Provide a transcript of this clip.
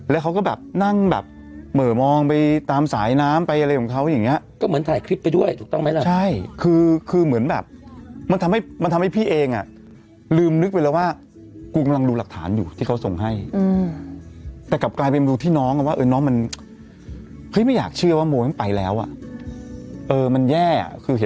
แล้วเขาก็แบบนั่งแบบเหม่อมองไปตามสายน้ำไปอะไรของเขาอย่างเงี้ยก็เหมือนถ่ายคลิปไปด้วยถูกต้องไหมล่ะใช่คือคือเหมือนแบบมันทำให้มันทำให้พี่เองอ่ะลืมนึกไปแล้วว่ากูกำลังดูหลักฐานอยู่ที่เขาส่งให้แต่กลับกลายเป็นดูที่น้องอ่ะว่าเออน้องมันเฮ้ยไม่อยากเชื่อว่าโมมันไปแล้วอ่ะเออมันแย่อ่ะคือเห็น